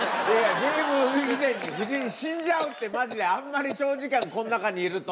ゲーム以前に、夫人、死んじゃうって、まじで、あんまり長時間こん中にいると。